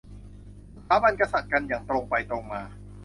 สถาบันกษัตริย์ กันอย่างตรงไปตรงมา